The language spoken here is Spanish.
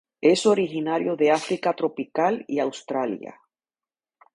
Es originario de África tropical y Australia.